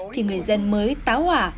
thì người dân mới táo hỏa